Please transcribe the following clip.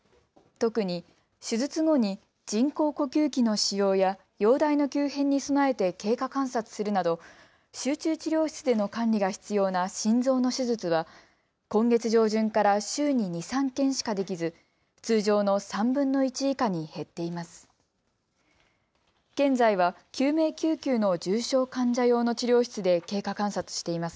特に手術後に人工呼吸器の使用や容体の急変に備えて経過観察するなど集中治療室での管理が必要な心臓の手術は今月上旬から週に２、３件しかできず通常の３分の１以下に減っています。